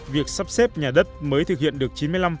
việc sắp xếp nhà đất mới thực hiện được chín mươi năm